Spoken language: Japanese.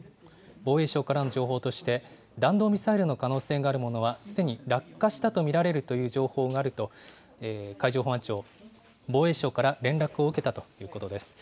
防衛省からの情報として、弾道ミサイルの可能性があるものは、すでに落下したと見られるという情報があると海上保安庁、防衛省から連絡を受けたということです。